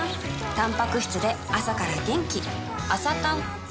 たんぱく質で朝から元気